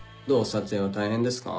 撮影は大変ですか？